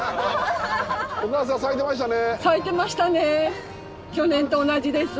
お母さん咲いてましたね。